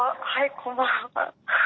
こんばんは。